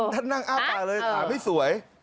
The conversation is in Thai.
ท่านนั่งอ้าปากเลยขาไม่สวย